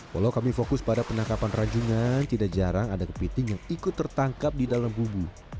walau kami fokus pada penangkapan ranjungan tidak jarang ada kepiting yang ikut tertangkap di dalam gubu